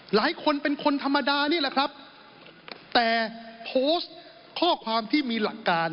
หลายคนเป็นคนธรรมดานี่แหละครับแต่โพสต์ข้อความที่มีหลักการ